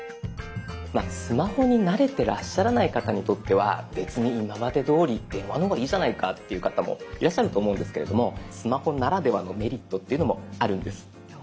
スマホに慣れてらっしゃらない方にとっては別に今までどおり電話の方がいいじゃないかっていう方もいらっしゃると思うんですけれどもスマホならではのメリットっていうのもあるんです。